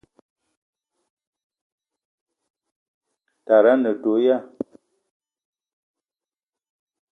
Tara a ne do ya?